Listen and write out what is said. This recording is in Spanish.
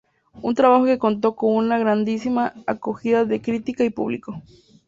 Un trabajo que contó con una grandísima acogida de crítica y público.